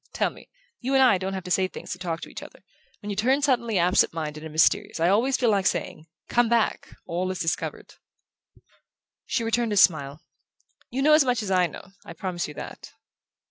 Tell me. You and I don't have to say things to talk to each other. When you turn suddenly absentminded and mysterious I always feel like saying: 'Come back. All is discovered'." She returned his smile. "You know as much as I know. I promise you that."